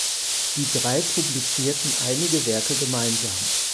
Die drei publizierten einige Werke gemeinsam.